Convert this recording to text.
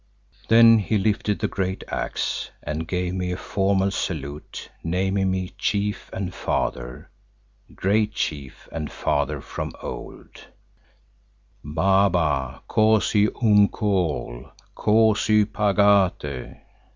Then he lifted the great axe, and gave me a formal salute, naming me "Chief and Father, Great Chief and Father, from of old" (_Baba! Koos y umcool! Koos y pagate!